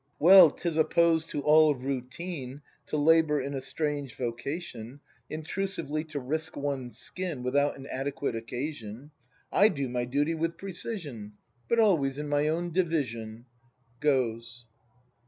] Well, 'tis opposed to all routine To labour in a strange vocation, Intrusively to risk one's skin Without an adequate occasion. — I do my duty with precision, — But always in my own Division. [Goes.